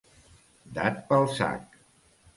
Dat pel sac.